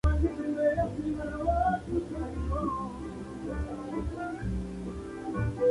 Intendentes a cargo del municipio de San Benito.